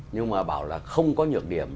nhưng mà bảo là không có nhược điểm